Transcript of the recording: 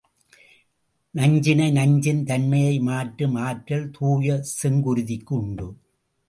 நஞ்சினை, நஞ்சின் தன்மையை மாற்றும் ஆற்றல் தூய செங்குருதிக்கு உண்டு.